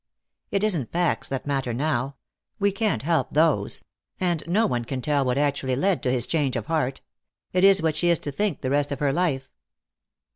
"It isn't facts that matter now. We can't help those. And no one can tell what actually led to his change of heart. It is what she is to think the rest of her life."